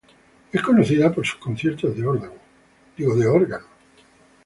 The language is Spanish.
Es conocida por sus conciertos de órgano.